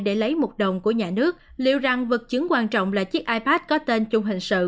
để lấy một đồng của nhà nước liệu rằng vật chứng quan trọng là chiếc ipad có tên chung hình sự